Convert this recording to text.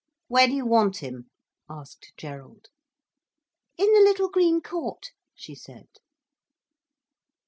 "Where do you want him?" asked Gerald. "In the little green court," she said.